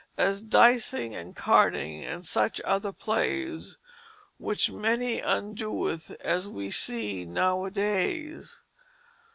As dysing, and cardynge, and such other playes Which many undoeth, as we see nowe a dayes."